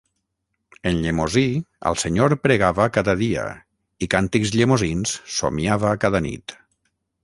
En llemosí al Senyor pregava cada dia, i càntics llemosins somiava cada nit.